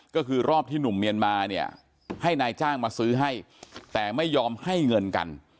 ก็คือรอบที่หนุ่มเมียนมาเนี่ยให้นายจ้างมาซื้อให้แต่ไม่ยอมให้เงินกัน